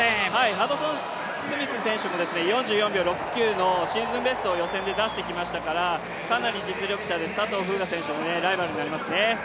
ハドソンスミス選手も４４秒６９のシーズンベストを予選で出してきましたからかなり実力者で、佐藤風雅選手のライバルになりますね。